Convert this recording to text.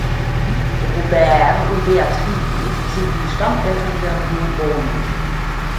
Robert und Beatrix sind die Stammeltern der Bourbonen.